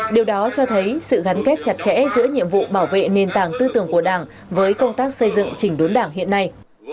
điều đó cho thấy sự gắn kết chặt chẽ giữa nhiệm vụ bảo vệ nền tảng tư tưởng của đảng với công tác xây dựng chỉnh đốn đảng hiện nay